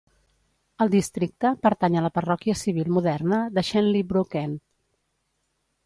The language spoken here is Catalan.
El districte pertany a la parròquia civil moderna de Shenley Brook End.